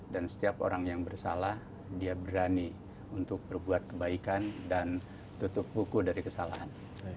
dan setiap orang yang bersalah dia berani untuk berbuat kebaikan dan tutup puku dari kesalahan